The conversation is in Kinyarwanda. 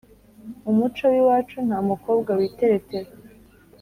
Mumuco wiwacu ntamukobwa witeretera